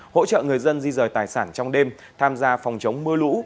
hỗ trợ người dân di rời tài sản trong đêm tham gia phòng chống mưa lũ